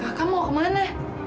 kakak mau kemana